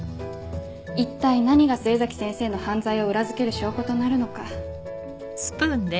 一体何が末崎先生の犯罪を裏付ける証拠となるのか。